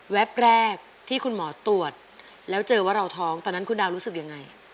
แรกที่คุณหมอตรวจแล้วเจอว่าเราท้องตอนนั้นคุณดาวรู้สึกยังไง